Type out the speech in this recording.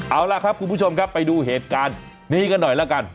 เอาล่ะครับคุณผู้ชมครับไปดูเหตุการณ์นี้กันหน่อยแล้วกัน